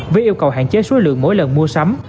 với yêu cầu hạn chế số lượng mỗi lần mua sắm